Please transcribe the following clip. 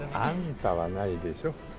「あんた」はないでしょ。